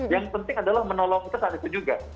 yang penting adalah menolong kita saat itu juga